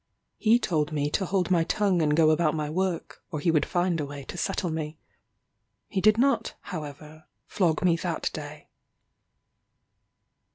He told me to hold my tongue and go about my work, or he would find a way to settle me. He did not, however, flog me that day.